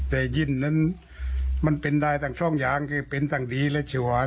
แต่ยินนั้นมันเป็นได้ตั้งช่องอย่างคือเป็นทั้งดีและชีวา